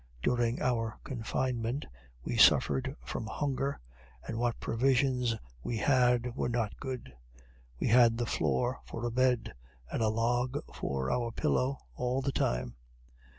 During our confinement we suffered from hunger, and what provisions we had were not good. We had the floor for a bed, and a log for our pillow, all the time.